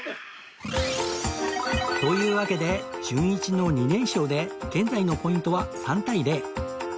というわけでじゅんいちの２連勝で現在のポイントは３対０